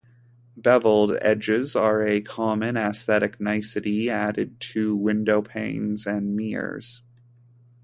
Bevelled edges are a common aesthetic nicety added to window panes and mirrors.